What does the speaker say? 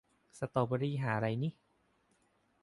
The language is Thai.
สตรอว์เบอรี่ห่าไรนิ